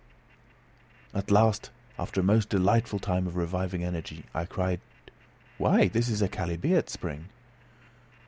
At last after a most delightful time of reviving energy, I cried, "Why, this is a chalybeate spring!"